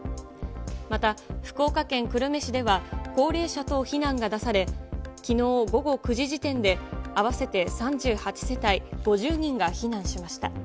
また、福岡県久留米市では、高齢者等避難が出され、きのう午後９時時点で、合わせて３８世帯５０人が避難しました。